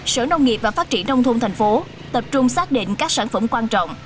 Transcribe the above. sở nông nghiệp và phát triển nông thôn tp hcm tập trung xác định các sản phẩm quan trọng